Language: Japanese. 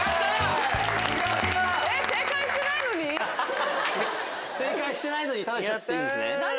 正解してないのに食べちゃっていいんですね？